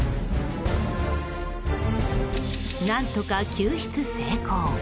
何とか救出成功。